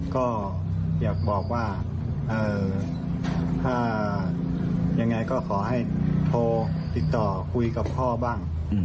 ก็อยากบอกว่าถ้ายังไงก็ขอให้โทรติดต่อคุยกับพ่อบ้าง